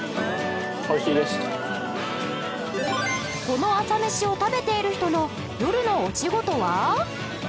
この朝メシを食べている人の夜のお仕事は？